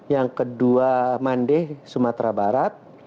yang kedua mandeh sumatera barat